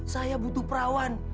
saya butuh perawan